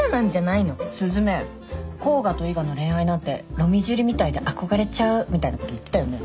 雀「甲賀と伊賀の恋愛なんて『ロミジュリ』みたいで憧れちゃう」みたいなこと言ってたよね？